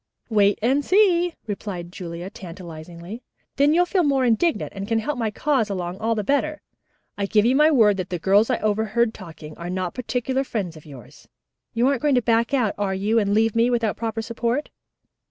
"Wait and see," replied Julia tantalizingly. "Then you'll feel more indignant and can help my cause along all the better. I give you my word that the girls I overheard talking are not particular friends of yours. You aren't going to back out, are you, and leave me without proper support?"